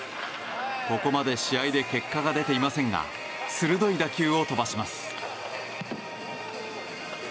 ここまで試合で結果が出ていませんが鋭い打球を飛ばします。